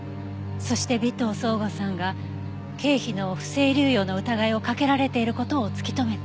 そして尾藤奏吾さんが経費の不正流用の疑いをかけられている事を突き止めた。